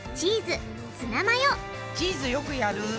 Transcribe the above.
チーズよくやる。